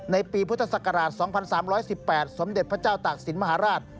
ในปีพุทธศักราช๒๓๑๘สมเด็จพระเจ้าตากศิลปมหาราช